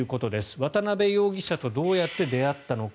渡邉容疑者とどうやって出会ったのか。